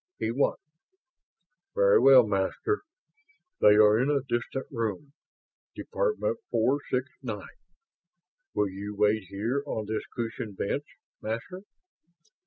He won! "Very well, Master. They are in a distant room, Department Four Six Nine. Will you wait here on this cushioned bench, Master?"